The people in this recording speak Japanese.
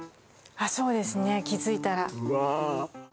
そうですね、気づいたら。